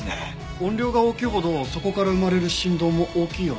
音量が大きいほどそこから生まれる振動も大きいよね。